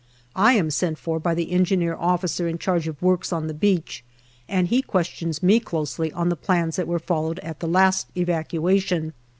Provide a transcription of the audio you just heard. I am sent for by the Engineer officer in charge of works on the beach, and he questions me closely on the plans that were followed at the last evacuation.